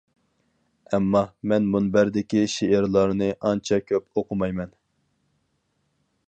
ئەمما، مەن مۇنبەردىكى شېئىرلارنى ئانچە كۆپ ئوقۇمايمەن.